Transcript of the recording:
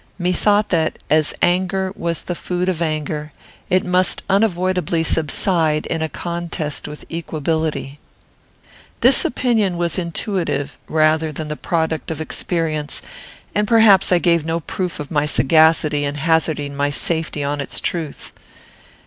Methought that, as anger was the food of anger, it must unavoidably subside in a contest with equability. This opinion was intuitive, rather than the product of experience, and perhaps I gave no proof of my sagacity in hazarding my safety on its truth.